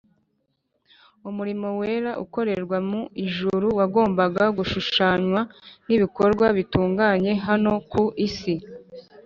umurimo wera ukorerwa mu ijuru wagombaga gushushanywa n’ibikorwa bitunganye hano ku isi